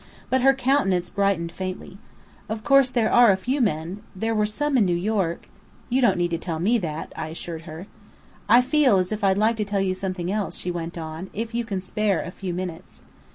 But her countenance brightened faintly. "Of course there are a few men there were some in New York " "You don't need to tell me that," I assured her. "I feel as if I'd like to tell you something else," she went on, "if you can spare a few minutes."